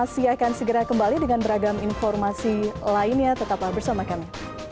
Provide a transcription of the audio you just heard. masih akan segera kembali dengan beragam informasi lainnya tetaplah bersama kami